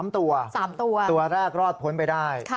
๓ตัว๓ตัวตัวแรกรอดพ้นไปได้